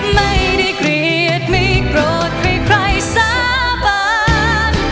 ไม่ได้เกลียดไม่โกรธให้ใครสาบาน